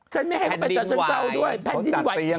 ฉันไม่ให้เขาไปสะเชิญเฟ้าด้วย